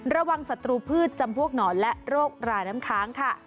ระวังศัตรูพืชจำพวกหนอนและโรคราน้ำค้าง